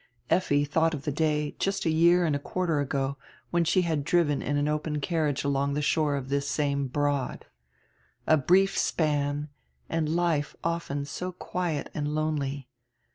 Effi thought of die day, just a year and a quarter ago, when she had driven in an open carriage along die shore of diis same "Broad." A brief span, and life often so quiet and lonely.